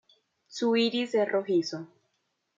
Su iris es rojizo.